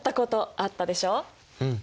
うん！